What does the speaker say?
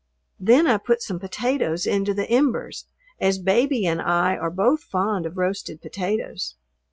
Then I put some potatoes into the embers, as Baby and I are both fond of roasted potatoes.